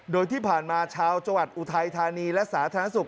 โดยที่ผ่านมาชาวจังหวัดอุทัยธานีและสาธารณสุข